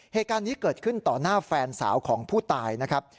เหตุการณ์นี้เกิดขึ้นต่อหน้าแฟนสาวของผู้ตายนะครับ